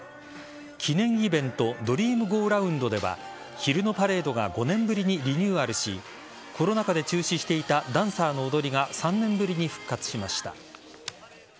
記念イベントドリームゴーラウンドでは昼のパレードが５年ぶりにリニューアルしコロナ禍で中止していたダンサーの踊りが３年ぶりに復活しました。